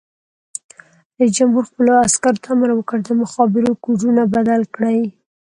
رئیس جمهور خپلو عسکرو ته امر وکړ؛ د مخابرو کوډونه بدل کړئ!